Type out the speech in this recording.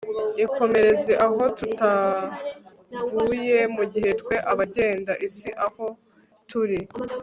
ikomereze aho, tutaguye, mugihe twe abagenda isi aho turi